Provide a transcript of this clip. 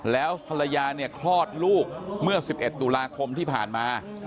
แล้วภรรยาเนี่ยคลอดลูกเมื่อ๑๑ตุลาคมที่ผ่านมา